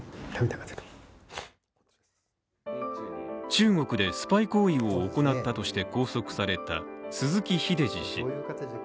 中国でスパイ行為を行ったとして拘束された鈴木英司氏。